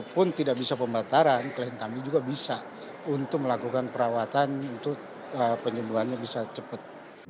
walaupun tidak bisa pembataran klien kami juga bisa untuk melakukan perawatan untuk penyembuhannya bisa cepat